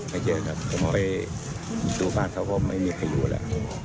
ผู้ตามเขาก็ไม่มีใครอยู่อ่ะ